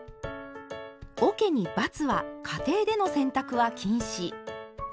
おけに「×」は家庭での洗濯は禁止。